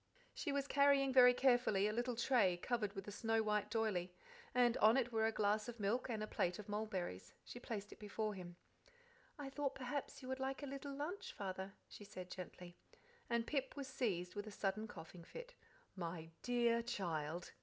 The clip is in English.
She was carrying very carefully a little tray covered with a snow white doyley, and on it were a glass of milk and a plate of mulberries. She placed it before him. "I thought perhaps you would like a little lunch, Father," she said gently; and Pip was seized with a sudden coughing fit. "My DEAR child!"